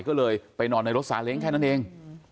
ก็เลยไปนอนในรถซาเล้งแค่นั้นเอง